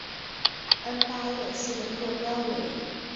恩巴勒斯的座标为。